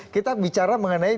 kita bicara mengenai